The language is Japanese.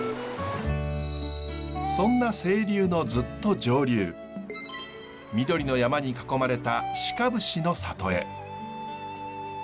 そんな清流のずっと上流緑の山に囲まれた鹿伏の里へ。